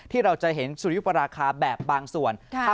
เราจะเห็นสุริยุปราคาแบบบางส่วน